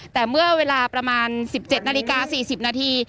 แต่เมื่อเวลาประมาณ๑๗นาฬิกา๔๐นาที